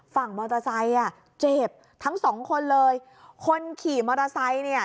ฝั่งมอเตอร์ไซค์อ่ะเจ็บทั้งสองคนเลยคนขี่มอเตอร์ไซค์เนี่ย